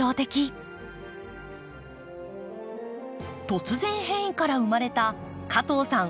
突然変異から生まれた加藤さん